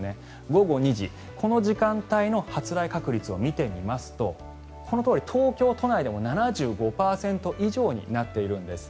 午後２時、この時間帯の発雷確率を見てみますとこのとおり、東京都内でも７５％以上になっているんです。